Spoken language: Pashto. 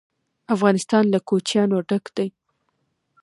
افغانستان له کوچیان ډک دی.